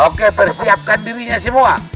oke persiapkan dirinya semua